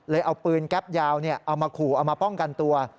เอาปืนแก๊ปยาวเอามาขู่เอามาป้องกันตัว